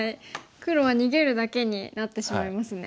黒は逃げるだけになってしまいますね。